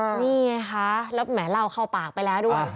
นี่ไงคะแล้วแหมเล่าเข้าปากไปแล้วด้วย